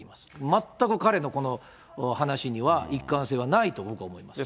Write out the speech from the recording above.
全く彼のこの話には一貫性はないと僕は思います。